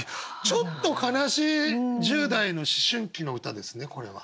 ちょっと悲しい１０代の思春期の歌ですねこれは。